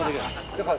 やっぱ。